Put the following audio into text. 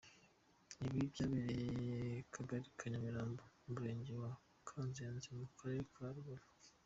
Ibi byabereye Kagari ka Nyamirango, mu Murenge wa Kanzenze, mu karere ka Rubavu.